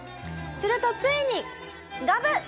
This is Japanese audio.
するとついにガブッ！